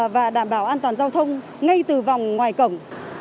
và đảm bảo an toàn giao thông ngay từ vòng ngoài cổng